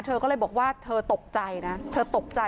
เธอก็เลยบอกว่าเธอตกใจนะ